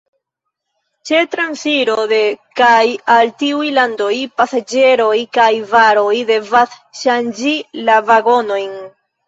Ĉe transiro de kaj al tiuj landoj pasaĝeroj kaj varoj devas ŝanĝi la vagonojn.